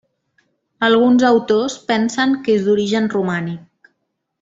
Alguns autors pensen que és d'origen romànic.